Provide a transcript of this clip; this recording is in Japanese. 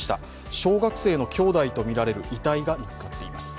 小学生の兄弟とみられる遺体が見つかっています。